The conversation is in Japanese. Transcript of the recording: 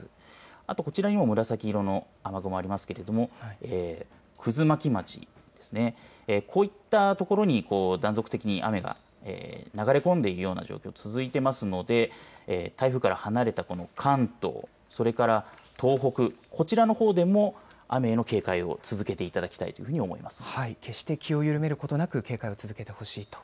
あとはこちらにも紫色の雨雲ありますけれども葛巻町ですねこういったところに断続的に雨が流れ込んでいるような状況、続いていますので台風から離れた、この関東それから東北、こちらのほうでも雨への警戒を続けていただきたいというふうに思います。